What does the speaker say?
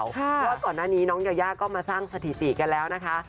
เพราะว่าก่อนหน้านี้น้องยายาก็มาสร้างสถิติกันแล้วนะคะ